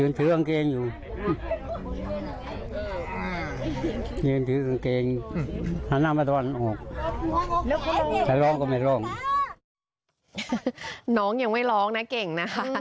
น้องยังไม่ร้องนะเก่งนะคะ